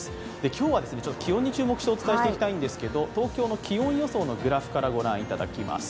今日は気温に注目してお伝えしていきたいんですけど、東京の気温予想のグラフからご覧いただきます。